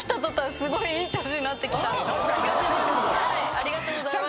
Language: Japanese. ありがとうございます。